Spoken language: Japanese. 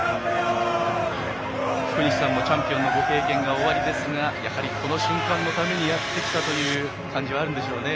福西さんもチャンピオンのご経験がおありですがやはりこの瞬間のためにやってきたという感じはあるんでしょうね。